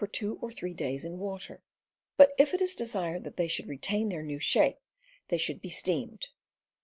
two or three days in water; but if it is ^,^ desired that they should retain their new shape, they should be steamed.